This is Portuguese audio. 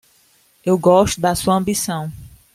Eu gosto da sua ambição